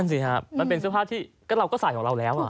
สิครับมันเป็นเสื้อผ้าที่เราก็ใส่ของเราแล้ว